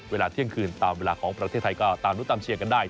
เวลาเที่ยงคืนตามเวลาของประเทศไทยก็ตามรู้ตามเชียร์กันได้